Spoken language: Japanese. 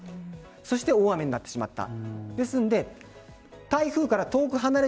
そして大雨になってしまった。